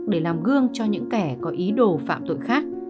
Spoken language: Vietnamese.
để làm gương cho những kẻ có ý đồ phạm tội khác